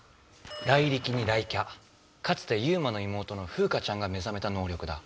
ライリキに雷キャかつてユウマの妹のフウカちゃんが目ざめた能力だ。